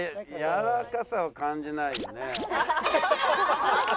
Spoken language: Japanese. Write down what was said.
やわらかさを感じないよね。